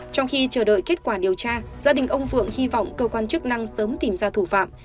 trong khi chờ đợi kết quả điều tra gia đình ông phượng hy vọng cơ quan chức năng sớm tìm ra thủ phạm